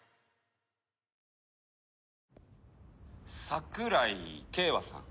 桜井景和さん。